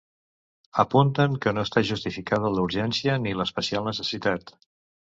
Apunten que no està justificada la urgència ni l’especial necessitat.